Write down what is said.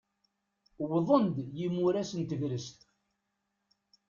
Uwḍen-d yimuras n tegrest.